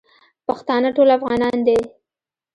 پښتانه ټول افغانان دی.